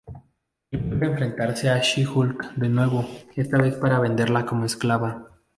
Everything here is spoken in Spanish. Él vuelve a enfrentarse a She-Hulk de nuevo, esta vez para venderla como esclava.